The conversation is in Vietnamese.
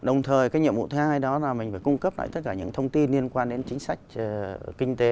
đồng thời cái nhiệm vụ thứ hai đó là mình phải cung cấp lại tất cả những thông tin liên quan đến chính sách kinh tế